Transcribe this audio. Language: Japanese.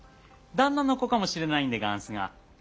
旦那の子かもしれないんでがんすが。